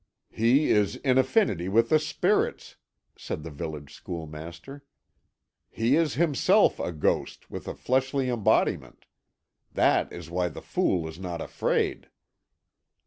"He is in affinity with the spirits," said the village schoolmaster; "he is himself a ghost, with a fleshly embodiment. That is why the fool is not afraid."